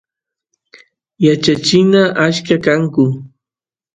yachachinas achka kanku